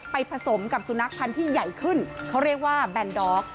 ผสมกับสุนัขพันธุ์ที่ใหญ่ขึ้นเขาเรียกว่าแบนดอก